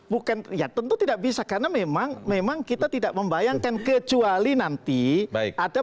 bukan ya tentu tidak bisa karena memang memang kita tidak membayangkan kecuali nanti ada